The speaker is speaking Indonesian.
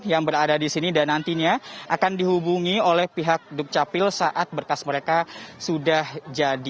yang berada di sini dan nantinya akan dihubungi oleh pihak dukcapil saat berkas mereka sudah jadi